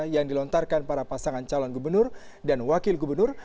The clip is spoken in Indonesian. yang dilontarkan para pasangan calon gubernur dan wakil gubernur